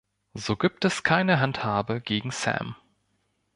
So gibt es keine Handhabe gegen Sam.